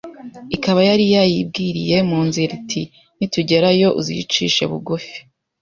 Ikaba yari yayibwiriye mu nzira iti Nitugera yo uzicishe bugufi